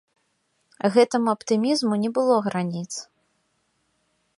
Гэтаму аптымізму не было граніц.